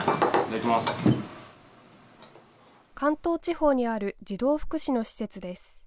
関東地方にある児童福祉の施設です。